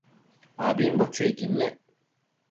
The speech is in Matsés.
ambimbo chuiquid nec